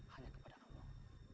hanya kepada allah